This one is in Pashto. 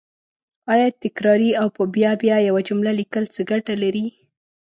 آیا تکراري او په بیا بیا یوه جمله لیکل څه ګټه لري